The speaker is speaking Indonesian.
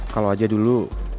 kalo aja dulu